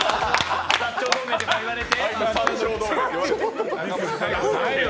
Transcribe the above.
薩長同盟って言われて。